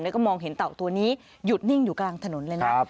แล้วก็มองเห็นเต่าตัวนี้หยุดนิ่งอยู่กลางถนนเลยนะ